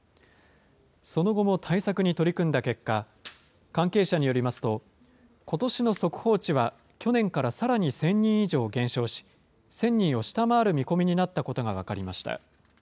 その後も対策に取り組んだ結果、関係者によりますと、ことしの速報値は去年からさらに１０００人以上減少し、１０００人を下回る見込みになったことが分かりました。